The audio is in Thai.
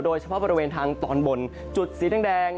โดยเฉพาะบริเวณทางตอนบนจุดสีแดง